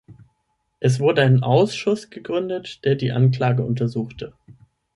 Es wurde ein Ausschuss gegründet, der die Anklage untersuchte.